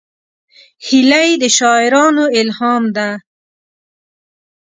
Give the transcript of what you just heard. هیلۍ د شاعرانو الهام ده